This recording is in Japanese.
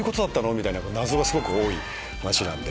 みたいな謎がすごく多い話で。